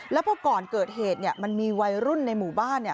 แล้วพอก่อนเกิดเหตุเนี่ยมันมีวัยรุ่นในหมู่บ้านเนี่ย